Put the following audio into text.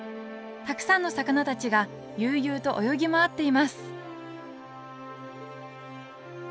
たくさんの魚たちが悠々と泳ぎ回っています